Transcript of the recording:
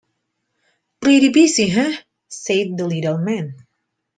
‘Pretty busy, eh?’ said the little man.